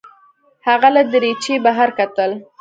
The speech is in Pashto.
هغه له دریچې بهر کتل.